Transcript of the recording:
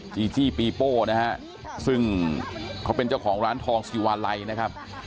จีจี้ปีโป้นะฮะซึ่งเขาเป็นเจ้าของร้านทองสิวาลัยนะครับ